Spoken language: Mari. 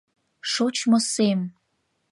Шочмо сем…